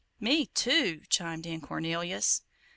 "Me too," chimed in Cornelius.